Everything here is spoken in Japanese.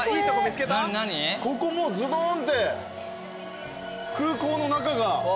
ここもうズドーンって空港の中が。